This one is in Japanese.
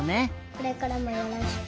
これからもよろしく！